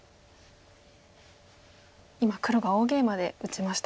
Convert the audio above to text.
今黒が大ゲイマで打ちました。